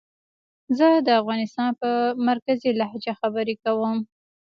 زه د افغانستان په مرکزي لهجه خبرې کووم